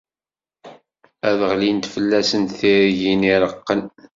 Ad d-ɣlint fell-asen tirgin ireqqen.